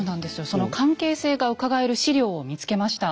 その関係性がうかがえる史料を見つけました。